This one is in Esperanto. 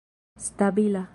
stabila